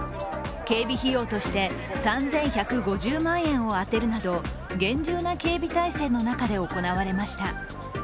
警備費用として３１５０万円を充てるなど、厳重な警備態勢の中で行われました。